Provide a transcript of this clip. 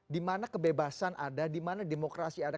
di mana kebebasan ada di mana demokrasi ada